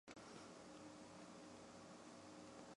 经父执辈推介进了启东镇的裕丰棉花杂粮铺当学徒工。